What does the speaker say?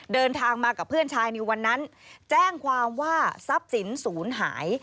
เดินทางมากับเพื่อนชายในวันนั้นแจ้งความว่าทรัพย์สินศูนย์หาย